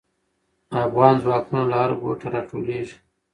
افغان ځواکونه له هر ګوټه راټولېږي.